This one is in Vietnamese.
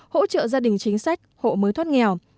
hỗ trợ gia đình chính sách hộ mới thoát nghèo